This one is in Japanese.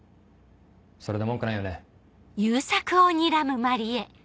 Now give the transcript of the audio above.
それで文句ないよね？